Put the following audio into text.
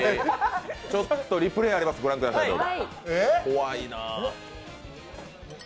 ちょっとリプレーありますご覧ください。